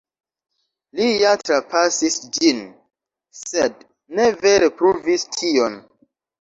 Li ja trapasis ĝin, sed ne vere pruvis tion.